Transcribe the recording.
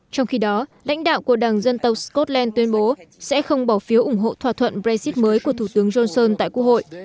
trong khi đó lãnh đạo của đảng dân tộc scotland tuyên bố sẽ không bỏ phiếu ủng hộ thỏa thuận brexit mới của thủ tướng johnson tại quốc hội